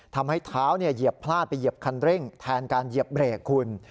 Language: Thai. ทำให้เท้าเหยียบพลาดไปเหยียบคันเร่งแทนการเหยียบเบรกคุณ